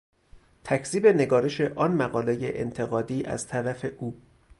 تکذیب نگارش آن مقالهی انتقادی از طرف او